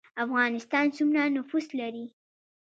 افغانستان سومره نفوس لري